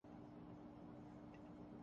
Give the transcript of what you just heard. آزاد کشمیر کا الیکشن